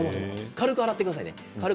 軽く洗ってくださいね。